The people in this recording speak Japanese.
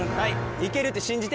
行けるって信じて。